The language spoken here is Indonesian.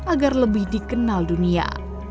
agar lebih dikenal dunia